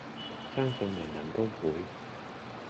相信人人都會